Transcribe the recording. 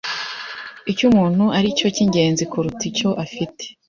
Icyo umuntu aricyo cyingenzi kuruta icyo afite.